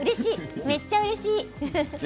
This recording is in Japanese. めっちゃうれしい。